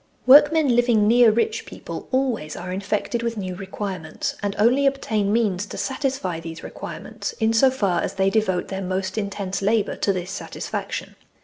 Workmen living near rich people always are infected with new requirements, and only obtain WHAT IS SLAVERY? 73 means to satisfy these requirements in so far as they devote their most intense labour to this satisfaction.